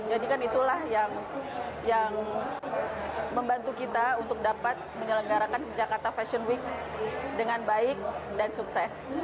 jadi kan itulah yang membantu kita untuk dapat menyelenggarakan jakarta fashion week dengan baik dan sukses